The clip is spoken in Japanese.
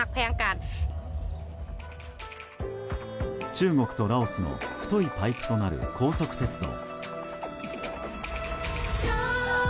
中国とラオスの太いパイプとなる高速鉄道。